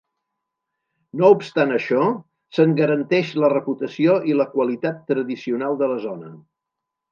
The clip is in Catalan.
No obstant això, se'n garanteix la reputació i la qualitat tradicional de la zona.